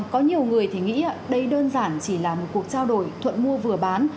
có nhiều người thì nghĩ đây đơn giản chỉ là một cuộc trao đổi thuận mua vừa bán